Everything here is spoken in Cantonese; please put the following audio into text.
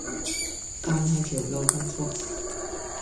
但係條路咁闊